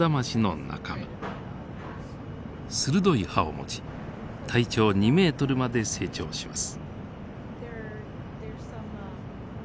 鋭い歯を持ち体長２ｍまで成長します。